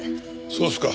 そうですか。